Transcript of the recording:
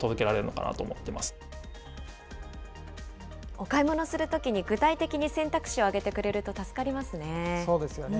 お買い物するときに具体的に選択肢を挙げてくれると、助かりそうですよね。